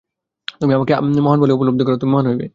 তুমি আপনাকে মহান বলিয়া উপলব্ধি কর, তুমি মহান হইবে।